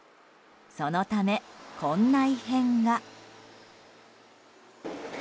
そのため、こんな異変が。